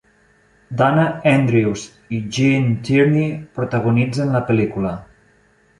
Dana Andrews i Gene Tierney protagonitzen la pel·lícula.